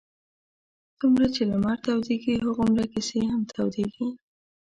څومره چې لمر تودېږي هغومره کیسې هم تودېږي.